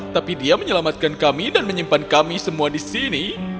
tapi dia menyelamatkan kami dan menyimpan kami semua di sini